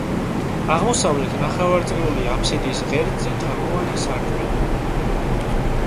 აღმოსავლეთ ნახევარწრიული აფსიდის ღერძზე თაღოვანი სარკმელია.